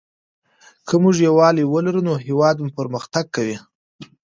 که موږ یووالي ولرو نو هېواد مو پرمختګ کوي.